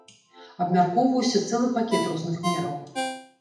Абмяркоўваўся цэлы пакет розных мераў.